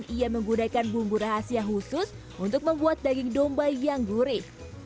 ia menggunakan bumbu rahasia khusus untuk membuat daging domba yang gurih